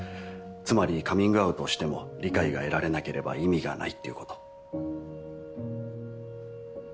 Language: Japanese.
つまりカミングアウトをしても理解が得られなければ意味がないっていうこと。